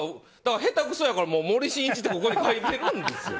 下手くそやから森進一って書いてるんですよ